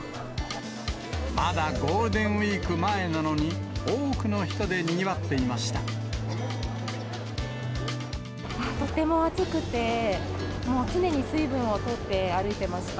まだゴールデンウィーク前なのに、とても暑くて、もう常に水分をとって歩いてました。